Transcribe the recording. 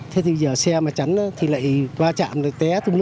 thế thì giờ xe mà tránh thì lại